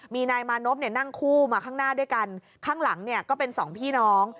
มีนายมานพนั่งคู่มาข้างหน้าด้วยกันข้างหลังเนี่ยก็เป็นสองพี่น้อง